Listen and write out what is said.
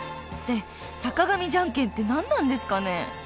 ［で坂上じゃんけんって何なんですかね？］